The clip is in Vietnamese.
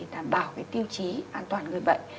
đảm bảo cái tiêu chí an toàn người bệnh